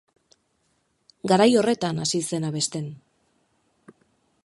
Garai horretan hasi zen abesten.